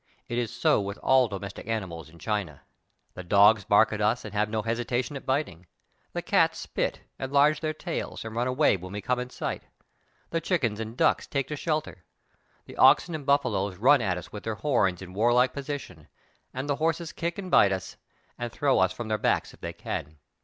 It is so with all domestic animals in China; the dogs bark at us and have no hesita tion at biting ; the cats spit, enlarge their tails and run away when we come in sight; the chickens and ducks take to shelter ; the oxen and buffaloes run at us with their horns in warlike position, and the horses kick and bite us, and throw us from their backs if they can.